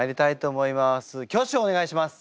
挙手をお願いします。